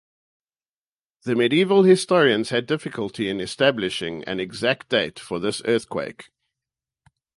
The Medieval historians had difficulty in establishing an exact date for this earthquake.